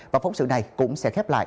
và phóng sự này cũng sẽ khép lại